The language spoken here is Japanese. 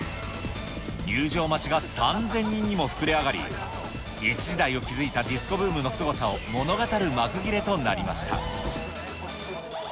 入場待ちが３０００人にも膨れ上がり、一時代を築いたディスコブームのすごさを物語る幕切れとなりました。